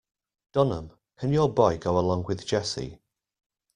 Dunham, can your boy go along with Jesse.